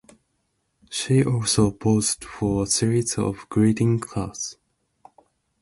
She also posed for a series of greeting cards.